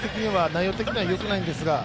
内容的にはよくないんですけど。